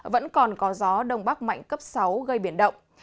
vẫn còn có gió đông bắc mạnh cấp sáu gây biển động